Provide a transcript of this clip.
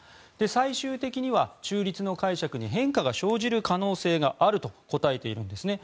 最終的には中立の解釈に変化が生じる可能性があると答えているんですね。